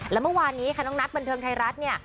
และเมื่อวานนี้ค่ะน้องนัทบันเทิงไทยรัฐเนี่ย